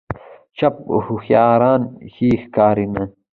چپ وېښتيان ښې ښکاري نه.